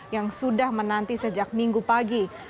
yang sudah menanti sejak minggu pagi